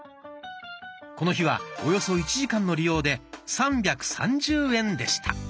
この日はおよそ１時間の利用で３３０円でした。